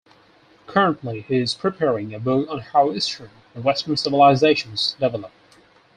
Currently he is preparing a book on how Eastern and Western civilizations developed.